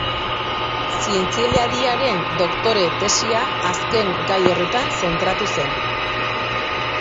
Zientzialariaren doktore-tesia azken gai horretan zentratu zen.